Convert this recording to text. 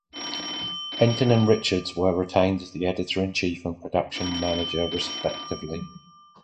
Henton and Richards were retained as the Editor in Chief and Production Manager respectively.